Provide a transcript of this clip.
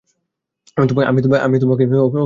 আমি তোমাকে ওকে আঘাত করতে দেবো না।